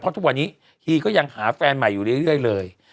ทุกวันนี้ฮีก็ยังหาแฟนใหม่อยู่เรื่อยเลย